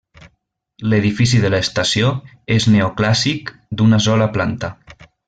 L'edifici de l'estació és neoclàssic d'una sola planta.